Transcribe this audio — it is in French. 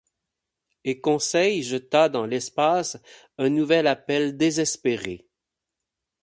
Et Conseil jeta dans l’espace un nouvel appel désespéré.